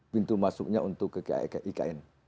pintu masuknya untuk ke ikn